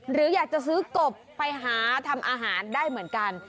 หรืออยากจะซื้อกบไปหาทำอาหารได้เหมือนกัน